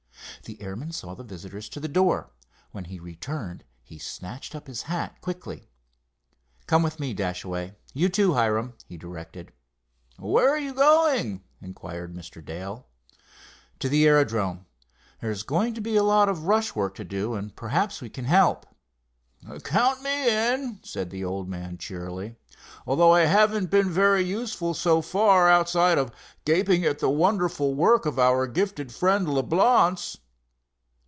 The airman saw the visitors to the door. When he returned he snatched up his hat quickly. "Come with me, Dashaway; you too, Hiram," he directed. "Where are you going?" inquired Mr. Dale. "To the aerodrome. There is going to be a lot of rush work to do, and perhaps we can help." "Count me in," said the old man, cheerily, "although I haven't been very useful so far outside of gaping at the wonderful work of our gifted friend, Leblance."